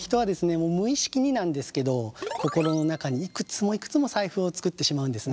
もう無意識になんですけど心の中にいくつもいくつも財布を作ってしまうんですね。